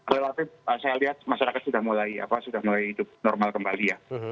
relatif saya lihat masyarakat sudah mulai hidup normal kembali ya